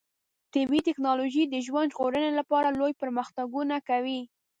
طبي ټکنالوژي د ژوند ژغورنې لپاره لوی پرمختګونه کوي.